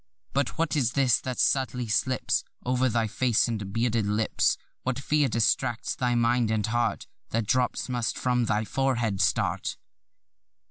But what is this that subtly slips Over thy face and bearded lips? What fear distracts thy mind and heart, That drops must from thy forehead start?